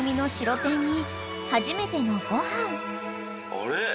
あれ？